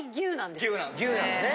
牛なのね。